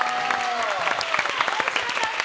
面白かった！